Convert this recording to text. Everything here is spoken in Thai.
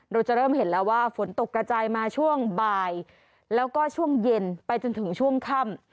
เราจะเริ่มเห็นแล้วว่าฝนตกกระจายมาช่วงบ่ายแล้วก็ช่วงเย็นไปจนถึงช่วงค่ำ